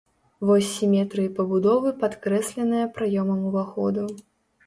Вось сіметрыі пабудовы падкрэсленая праёмам уваходу.